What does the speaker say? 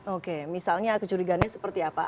oke misalnya kecurigaannya seperti apa